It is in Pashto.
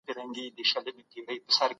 د کوره څخه دباندي ډېره سړه ده.